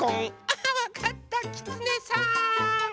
あわかったきつねさん！